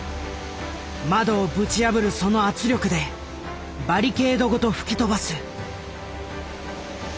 窓をぶち破るその圧力でバリケードごと吹き飛ばす。